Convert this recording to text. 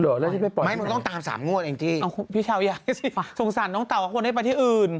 เหรอแล้วจะไปปล่อยที่ไหนพี่เช้าอย่างนี้สิสงสัยน้องเต่าก็ควรให้ไปที่อื่น